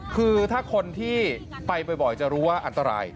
คือถ้าคนที่ไปบ่อยจะรู้ว่าอันตราย